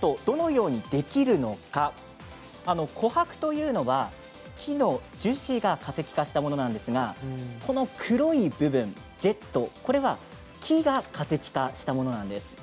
どのようにできるのか琥珀というのは木の樹脂が化石化したものなんですがこの黒い部分、ジェットこれは木が化石化したものなんです。